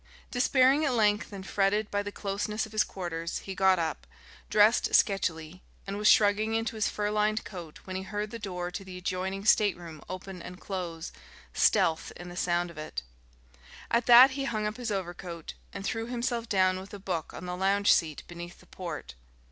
Despairing at length, and fretted by the closeness of his quarters, he got up, dressed sketchily, and was shrugging into his fur lined coat when he heard the door to the adjoining stateroom open and close, stealth in the sound of it. At that he hung up his overcoat, and threw himself down with a book on the lounge seat beneath the port.